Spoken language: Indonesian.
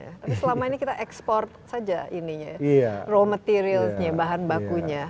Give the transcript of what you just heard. tapi selama ini kita ekspor saja ininya raw materials nya bahan bakunya